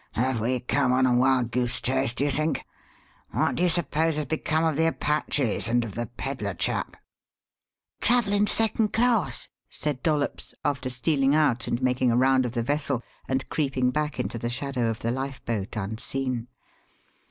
"Have we come on a wild goose chase, do you think? What do you suppose has become of the Apaches and of the pedler chap?" "Travellin' second class," said Dollops, after stealing out and making a round of the vessel and creeping back into the shadow of the lifeboat unseen.